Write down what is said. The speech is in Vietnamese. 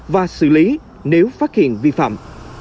và xử lý nếu phát hiện vi phạm